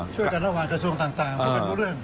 ช่วยกันระวังกระทรวงต่าง